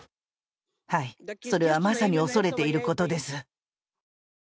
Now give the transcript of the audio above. はい、それは、まさに恐れていることです。